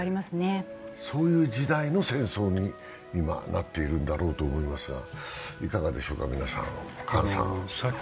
そういう時代の戦争に、今なっているんだろうと思いますが、いかがでしょうか。